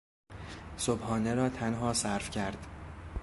صبحانه را تنها صرف کرد.